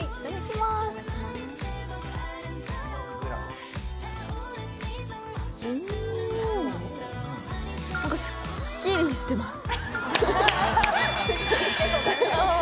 なんかすっきりしてます。